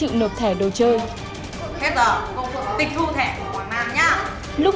để mùa xuân